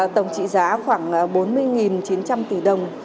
tổng trị giá khoảng bốn mươi chín trăm linh tỷ đồng